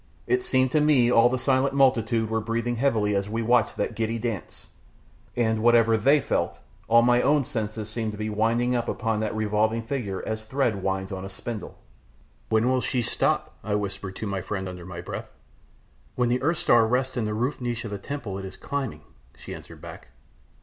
It seemed to me all the silent multitude were breathing heavily as we watched that giddy dance, and whatever THEY felt, all my own senses seemed to be winding up upon that revolving figure as thread winds on a spindle. "When will she stop?" I whispered to my friend under my breath. "When the earth star rests in the roof niche of the temple it is climbing," she answered back.